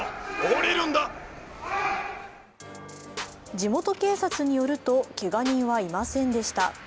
地元警察によるとけが人はいませんでした。